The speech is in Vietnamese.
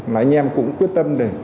mà anh em cũng quyết tâm